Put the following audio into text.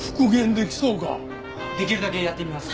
出来るだけやってみます。